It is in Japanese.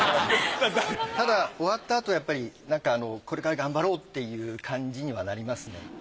ただ終わったあとやっぱりなんかこれから頑張ろうっていう感じにはなりますね。